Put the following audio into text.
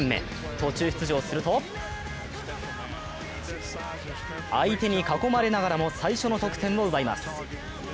途中出場すると相手に囲まれながらも最初の得点を奪います。